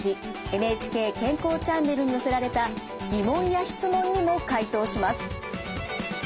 「ＮＨＫ健康チャンネル」に寄せられた疑問や質問にも回答します。